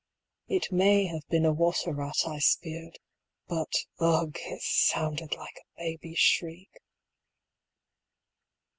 It may have been a water rat I speared, 125 But, ugh! it sounded like a baby's shriek.